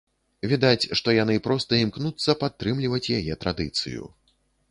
Відаць, што яны проста імкнуцца падтрымліваць яе традыцыю.